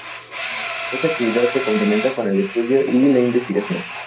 Esta actividad se complementa con el estudio y la investigación.